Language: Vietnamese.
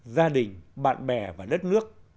gia đình bạn bè và đất nước